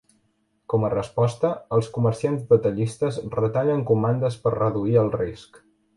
Com a resposta, els comerciants detallistes retallen comandes per reduir el risc.